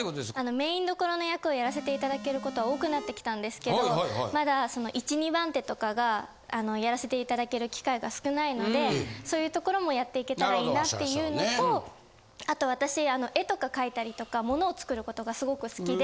メインどころの役をやらせて頂けることは多くなってきたんですけどまだ１・２番手とかがやらせて頂ける機会が少ないのでそういうところもやっていけたらいいなっていうのとあと私絵とか描いたりとか物を作ることがすごく好きで。